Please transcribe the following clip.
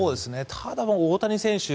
ただ、大谷選手